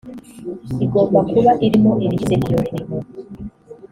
igomba kuba irimo ibigize iyo mirimo